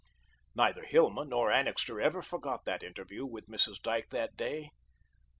Neither Hilma nor Annixter ever forgot their interview with Mrs. Dyke that day.